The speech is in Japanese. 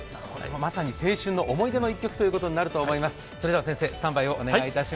まさに青春の思い出の一曲となると思います。